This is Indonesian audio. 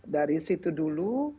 dari situ dulu